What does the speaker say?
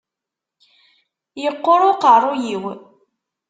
Yeqqur uqerruy-iw.